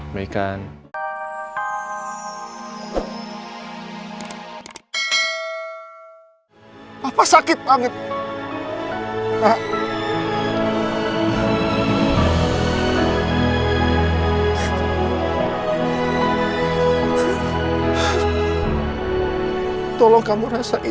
papa mau kamu jadi orang yang lebih baik